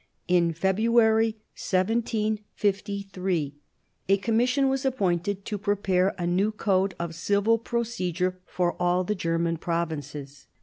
In February 1753 a commission was appointed to prepare a new code of civil procedure for all the German provinces.